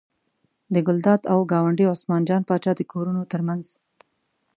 د ګلداد او ګاونډي عثمان جان پاچا د کورونو تر منځ.